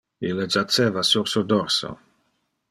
Ille jaceva sur su dorso.